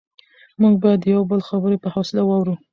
موږ باید د یو بل خبرې په حوصله واورو